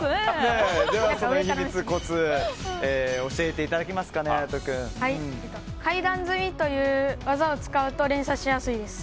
コツを教えていただけますか階段積みという技を使うと連鎖しやすいです。